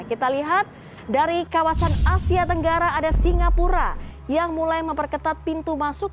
kita lihat dari kawasan asia tenggara ada singapura yang mulai memperketat pintu masuk